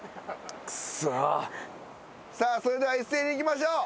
さあそれでは一斉にいきましょう。